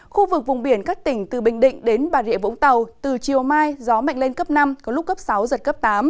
khu vực vùng biển các tỉnh từ bình định đến bà rịa vũng tàu từ chiều mai gió mạnh lên cấp năm có lúc cấp sáu giật cấp tám